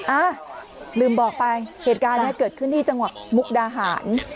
อ่ะลืมบอกไปเหตุการณ์นี้เกิดขึ้นที่จังหวัดมุกดาหาร